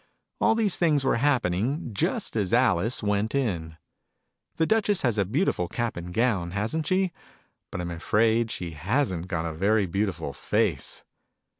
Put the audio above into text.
All these things were happening just as Alice went in. The Duchess has a beautiful cap and gown, hasn't she ? But I'm afraid she hasn't got a very beautiful face.